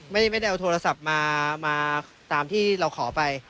ไม่ได้เอาโทรศัพท์มาตามที่เราขอไป